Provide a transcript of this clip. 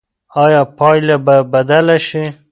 ایا پایله به بدله شي؟